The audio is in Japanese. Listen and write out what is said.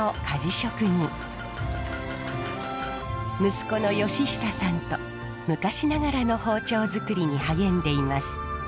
息子の義久さんと昔ながらの包丁作りに励んでいます。